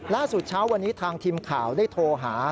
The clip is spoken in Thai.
เช้าวันนี้ทางทีมข่าวได้โทรหา